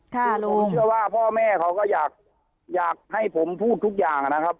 ผมเชื่อว่าพ่อแม่เขาก็อยากให้ผมพูดทุกอย่างนะครับ